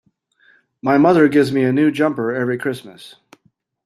My mother gives me a new jumper every Christmas